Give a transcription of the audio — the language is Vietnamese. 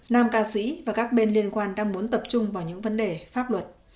nam ca sĩ và các bên liên quan đang muốn tập trung vào những vấn đề pháp luật